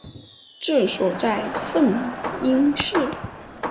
治所在汾阴县。